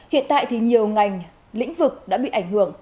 hiện tại thì nhiều ngành lĩnh vực đã bị ảnh hưởng